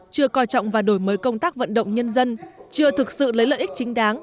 chưa coi trọng và đổi mới công tác vận động nhân dân chưa thực sự lấy lợi ích chính đáng